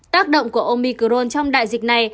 tác động của omicron trong đại dịch này